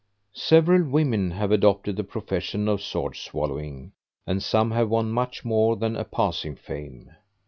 Several women have adopted the profession of sword swallowing, and some have won much more than a passing fame.